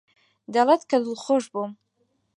دەڵێت کە دڵخۆش بووم.